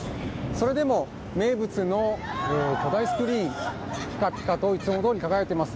それでも名物の巨大スクリーン、ぴかぴかといつもどおりに輝いています。